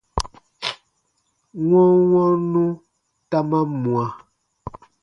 Wɔnwɔnnu ta man mwa.